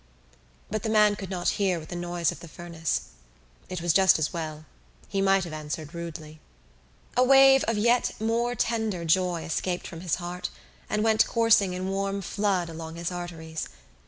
But the man could not hear with the noise of the furnace. It was just as well. He might have answered rudely. A wave of yet more tender joy escaped from his heart and went coursing in warm flood along his arteries.